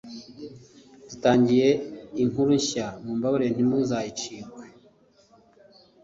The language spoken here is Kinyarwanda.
dutangiye inkuru shya mumbabarire ntimuzayicikwe